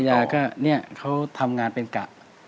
ภาระยาเขาทำงานเป็นกะ